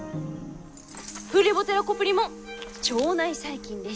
プレボテラ・コプリも腸内細菌です。